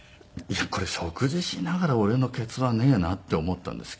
これ食事しながら俺のケツはねえなって思ったんですけど。